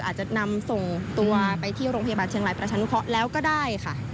อาจจะนำส่งตัวไปที่โรงพยาบาลเชียงรายประชานุเคราะห์แล้วก็ได้ค่ะ